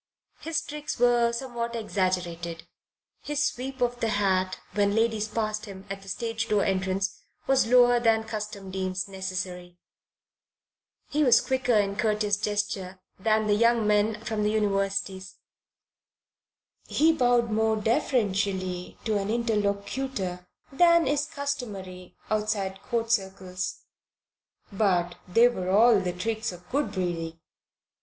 His tricks were somewhat exaggerated; his sweep of the hat when ladies passed him at the stage door entrance was lower than custom deems necessary; he was quicker in courteous gesture than the young men from the universities; he bowed more deferentially to an interlocutor than is customary outside Court circles; but they were all the tricks of good breeding.